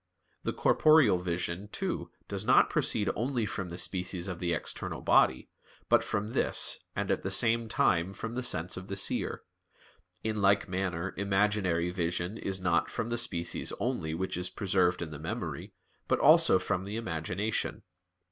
The corporeal vision, too, does not proceed only from the species of the external body, but from this, and at the same time from the sense of the seer; in like manner imaginary vision is not from the species only which is preserved in the memory, but also from the imagination.